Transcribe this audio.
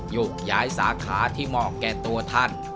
ยกย้ายสาขาที่เหมาะแก่ตัวท่าน